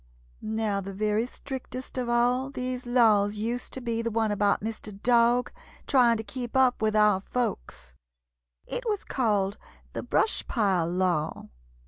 "Now the very strictest of all these laws used to be the one about Mr. Dog trying to keep up with our folks. It was called the 'Brush Pile law.'